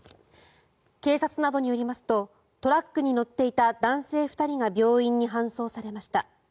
警察などによりますとトラックに乗っていた男性２人が病院に搬送されました。